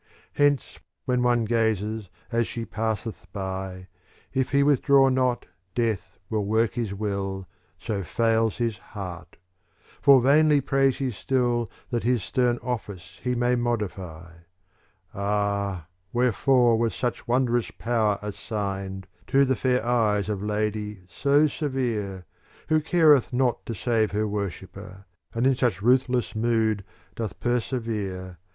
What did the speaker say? Hence when one gazes as she passeth by, * If he withdraw not, Death will work his will, So fails his heart ; for vainly prays he still That his stern office he may modify. Ah ! wherefore was such wondrous power assigned To the fair eyes of lady so severe, *" Who careth not to save her worshipper, And in such ruthless mood doth persevere.